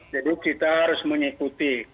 jadi kita harus mengikuti